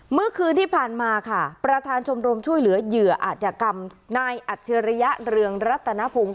เมื่อคืนที่ผ่านมาค่ะประธานชมรมช่วยเหลือเหยื่ออาจยกรรมนายอัจฉริยะเรืองรัตนพงศ์